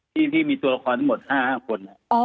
ที่มีตัวละครทั้งหมด๕คน